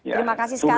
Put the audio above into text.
terima kasih sekali